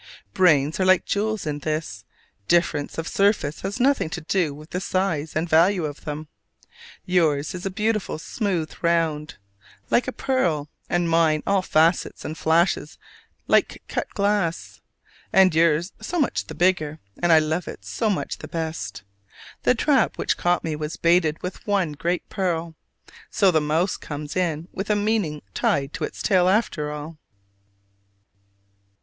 Brains are like jewels in this, difference of surface has nothing to do with the size and value of them. Yours is a beautiful smooth round, like a pearl, and mine all facets and flashes like cut glass. And yours so much the bigger, and I love it so much the best! The trap which caught me was baited with one great pearl. So the mouse comes in with a meaning tied to its tail after all!